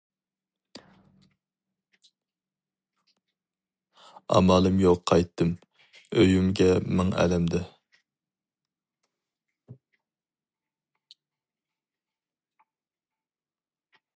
ئامالىم يوق قايتتىم، ئۆيۈمگە مىڭ ئەلەمدە.